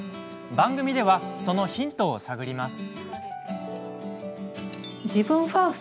番組ではそのヒントを探ります。